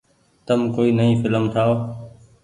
تم ڪوئي نئي ڦلم ٺآئو ۔